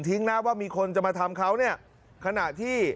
นะว่ามีคนจะมาทำเขาเนี่ยขณะที่